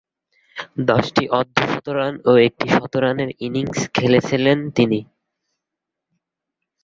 দশটি অর্ধ-শতরান ও একটি শতরানের ইনিংস খেলেছিলেন তিনি।